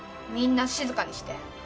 みんな静かにして。